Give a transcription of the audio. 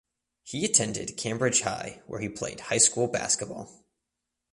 He attended Cambridge High where he played high school basketball.